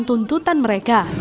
respon tuntutan mereka